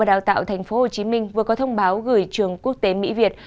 sở giáo dục và đạo thành phố hồ chí minh vừa có thông báo gửi trường quốc tế mỹ việt